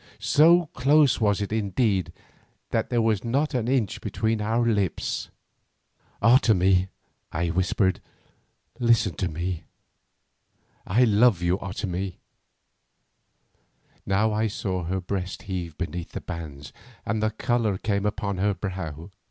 So close was it indeed that there was not an inch between our lips. "Otomie," I whispered, "listen to me. I love you, Otomie." Now I saw her breast heave beneath the bands and the colour come upon her brow.